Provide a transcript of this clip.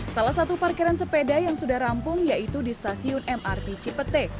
salah satu parkiran sepeda yang sudah rampung yaitu di stasiun mrt cipete